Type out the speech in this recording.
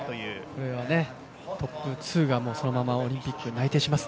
これはトップ２がそのままオリンピックに内定します。